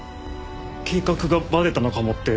計画がバレたのかもって。